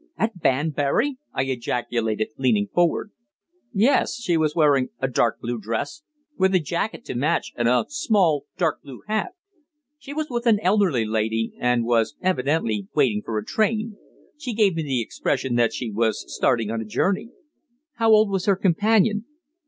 "At Banbury!" I ejaculated, leaning forward. "Yes. She was wearing a dark blue dress, with a jacket to match, and a small dark blue hat. She was with an elderly lady, and was evidently waiting for a train. She gave me the impression that she was starting on a journey." "How old was her companion?"